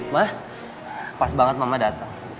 wah pas banget mama dateng